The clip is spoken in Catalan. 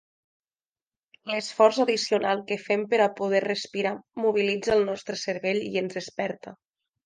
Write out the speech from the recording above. L'esforç addicional que fem per a poder respirar mobilitza el nostre cervell i ens desperta.